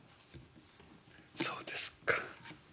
「そうですか？」。